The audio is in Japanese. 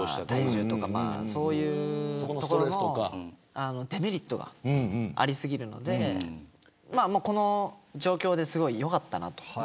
そういうところのデメリットがありすぎるのでこういう状況ですごく良かったなと。